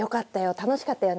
楽しかったよね。